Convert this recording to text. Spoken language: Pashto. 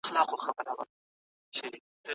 خو یو عیب چي یې درلود ډېره غپا وه